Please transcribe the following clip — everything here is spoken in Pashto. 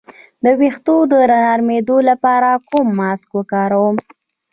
د ویښتو د نرمیدو لپاره کوم ماسک وکاروم؟